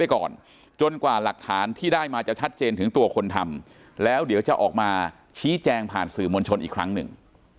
ก่อนจนกว่าหลักฐานที่ได้มาจะชัดเจนถึงตัวคนทำแล้วเดี๋ยวจะออกมาชี้แจงผ่านสื่อมวลชนอีกครั้งหนึ่ง